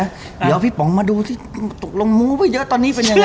เดี๋ยวพี่ป๋องมาดูที่ตกลงมู้ไปเยอะตอนนี้เป็นยังไง